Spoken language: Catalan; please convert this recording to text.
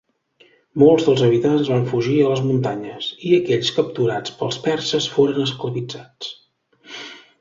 Molts dels habitants van fugir a les muntanyes; i aquells capturats pels perses foren esclavitzats.